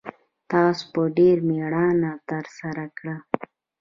تاسو په ډېره میړانه ترسره کړ